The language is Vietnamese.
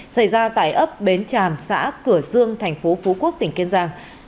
xảy ra tại ấp bến tràm xã cửa dương thành phố phú quốc tỉnh kiên giang